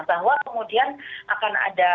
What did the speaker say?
bahwa kemudian akan ada